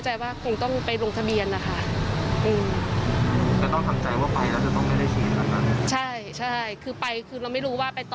ให้ไว้ก็ได้ให้อะไรก็ได้